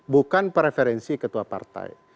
bukan preferensi ketua partai